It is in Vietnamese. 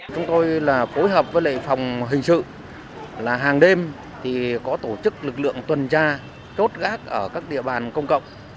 chúng tôi là phối hợp với lệ phòng hình sự là hàng đêm thì có tổ chức lực lượng tuần tra chốt gác ở các địa bàn công cộng